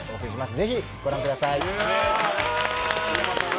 ぜひご覧ください！